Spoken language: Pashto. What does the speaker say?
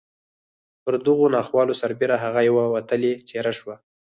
پر دغو ناخوالو سربېره هغه یوه وتلې څېره شوه